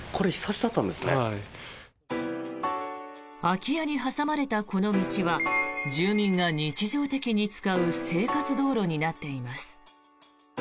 空き家に挟まれたこの道は住民が日常的に使う生活道路になっています。